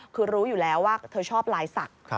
คือรู้อยู่แล้วว่าเธอชอบลายศักดิ์